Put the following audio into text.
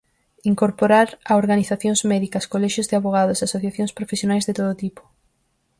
Incorporar a organizacións médicas, colexios de avogados, asociacións profesionais de todo tipo.